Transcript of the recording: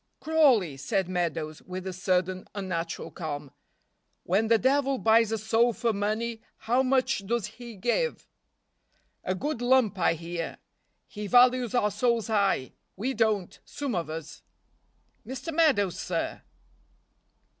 "Crawley," said Meadows, with a sudden unnatural calm, "when the devil buys a soul for money how much does he give? a good lump, I hear. He values our souls high we don't, some of us." "Mr. Meadows, sir!"